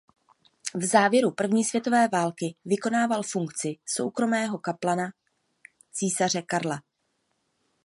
V závěru první světové války vykonával funkci soukromého kaplana císaře Karla.